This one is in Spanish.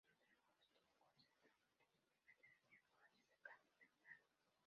Su trabajo estuvo concentrado principalmente en la diagnosis del cáncer temprano.